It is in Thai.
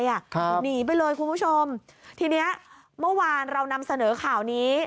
หนีไปเลยคุณผู้ชมทีเนี้ยเมื่อวานเรานำเสนอข่าวนี้